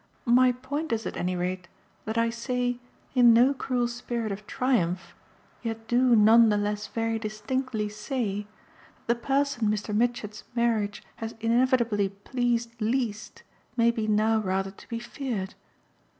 My point is at any rate that I say in no cruel spirit of triumph, yet do none the less very distinctly say, that the person Mr. Mitchett's marriage has inevitably pleased least may be now rather to be feared."